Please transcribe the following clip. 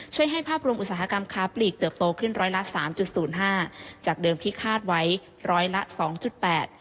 ช่วยให้ภาพรวมอุตสาหกรรมค้าปลีกเติบโตขึ้นร้อยละ๓๐๕จากเดิมที่คาดไว้ร้อยละ๒๘